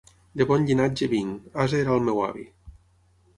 De bon llinatge vinc: ase era el meu avi.